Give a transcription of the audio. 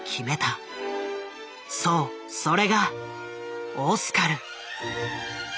そうそれがオスカル。